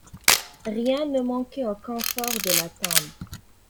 Rien ne manquait au confort de la tombe.